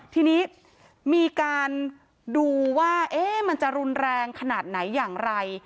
ทีนี้มีการดูว่ามันจะรุนแรงขนาดไหนอย่างไร